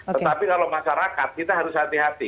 tetapi kalau masyarakat kita harus hati hati